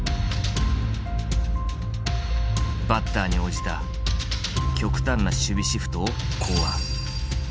バッターに応じた極端な守備シフトを考案。